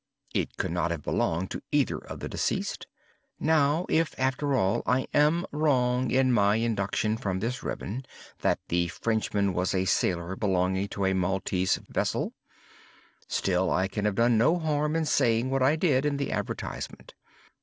It could not have belonged to either of the deceased. Now if, after all, I am wrong in my induction from this ribbon, that the Frenchman was a sailor belonging to a Maltese vessel, still I can have done no harm in saying what I did in the advertisement.